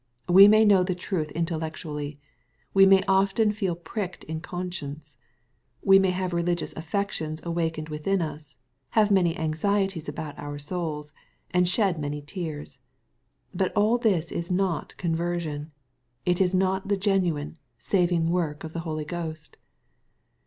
We may know the truth intellectually. We may often feel pricked in con science. We may have religious affections awakened within us, have many anxieties about our souls, and shed many tears. But all this is not conversion. It is not the genuine, saving work of the Holy Ghost.